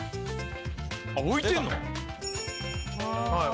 「置いてんの？」「はい。